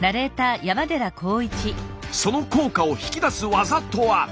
その効果を引き出す技とは？